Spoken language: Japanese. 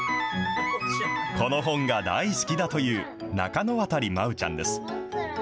この本が大好きだという中野渡舞ちゃんです。